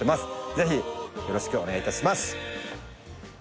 ぜひよろしくお願いいたします